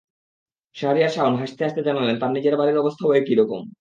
শাহরিয়ার শাওন হাসতে হাসতে জানালেন, তাঁর নিজের বাড়ির অবস্থাও একই রকম।